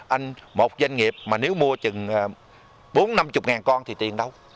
anh một doanh nghiệp mà nếu mua chừng bốn năm mươi con thì tiền đâu